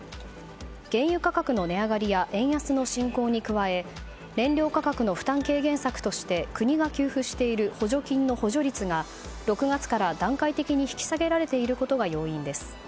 原油価格の値上がりや円安の進行に加え燃料価格の負担軽減策として国が給付している補助金の補助率が６月から段階的に引き下げられていることが要因です。